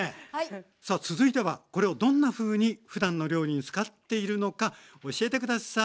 さあ続いてはこれをどんなふうにふだんの料理に使っているのか教えて下さい。